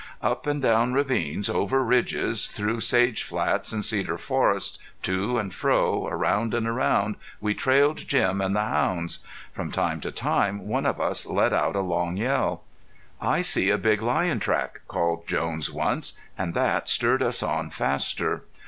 Up and down ravines, over ridges, through sage flats and cedar forests, to and fro, around and around, we trailed Jim and the hounds. From time to time one of us let out a long yell. "I see a big lion track," called Jones once, and that stirred us on faster.